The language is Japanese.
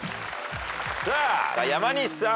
さあ山西さん。